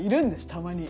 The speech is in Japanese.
たまに。